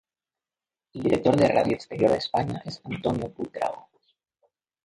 El director de Radio Exterior de España es Antonio Buitrago.